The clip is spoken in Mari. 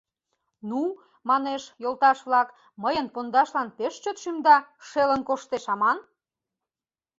— Ну, манеш, йолташ-влак, мыйын пондашлан пеш чот шӱмда шелын коштеш аман...